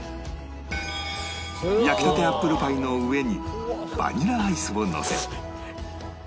焼きたてアップルパイの上にバニラアイスをのせ